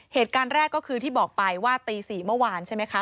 เหตุการณ์แรกก็คือที่บอกไปว่าตี๔เมื่อวานใช่ไหมคะ